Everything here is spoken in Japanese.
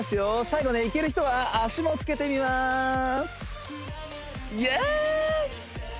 最後ねいける人は足もつけてみまーすイエース！